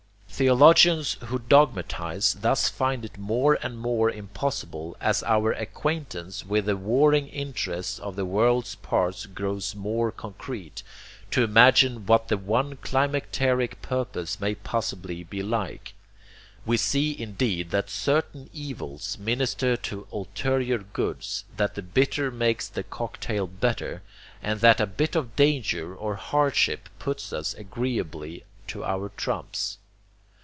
Theologians who dogmalize thus find it more and more impossible, as our acquaintance with the warring interests of the world's parts grows more concrete, to imagine what the one climacteric purpose may possibly be like. We see indeed that certain evils minister to ulterior goods, that the bitter makes the cocktail better, and that a bit of danger or hardship puts us agreeably to our trumps.